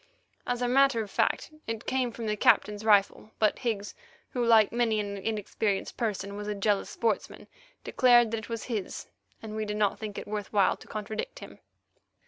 As a matter of fact, it came from the Captain's rifle, but Higgs, who, like many an inexperienced person was a jealous sportsman, declared that it was his and we did not think it worth while to contradict him.